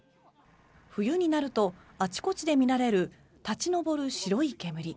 冬になるとあちこちで見られる立ち上る白い煙。